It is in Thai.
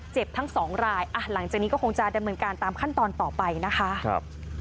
เจ็บทั้งสองรายหลังจากนี้ก็คงจะได้เหมือนกันตามขั้นตอนต่อไปนะคะ